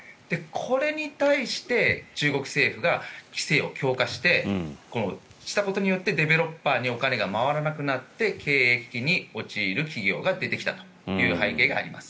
これに対して中国政府が規制を強化したことによってディベロッパーにお金が回らなくなって経営危機に陥る企業が増えてきたという背景があります。